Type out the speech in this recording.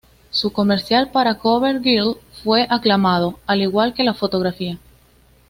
Su comercial para CoverGirl fue aclamado, al igual que la fotografía.